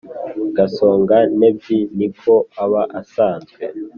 gasongantebyi ni ko aba asanzwe